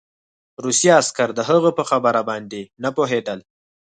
روسي عسکر د هغه په خبره باندې نه پوهېدل